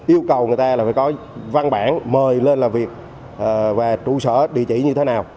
yêu cầu người ta là phải có văn bản mời lên làm việc và trụ sở địa chỉ như thế nào